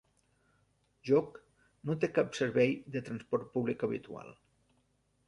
Jóc no té cap servei de transport públic habitual.